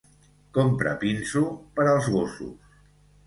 Compra pinso per als gossos.